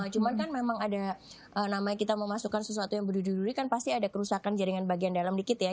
cuman kan memang ada namanya kita memasukkan sesuatu yang berdudur kan pasti ada kerusakan jaringan bagian dalam dikit ya